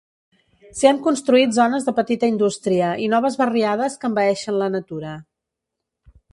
S’hi han construït zones de petita indústria i noves barriades que envaeixen la natura.